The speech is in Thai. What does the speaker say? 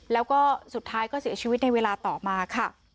แล้วก็สุดท้ายก็เสียชีวิตในเวลาต่อมาค่ะ